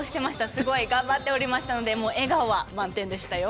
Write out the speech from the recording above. すごい頑張っておりましたので笑顔は満点でしたよ。